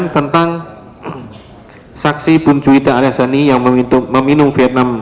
sembilan tentang saksi buncuida aliasani yang meminum vietnam